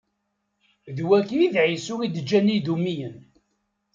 D wagi i d Ɛisu i d-iǧǧan Idumiyen.